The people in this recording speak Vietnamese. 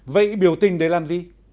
vậy biểu tình để làm gì